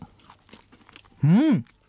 うん！